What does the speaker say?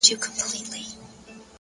مثبت چلند ناامیدي کمزورې کوي!.